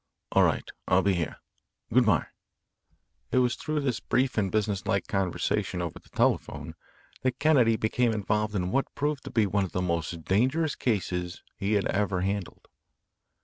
All right, I'll be here. Goodbye." It was through this brief and businesslike conversation over the telephone that Kennedy became involved in what proved to be one of the most dangerous cases he had ever handled.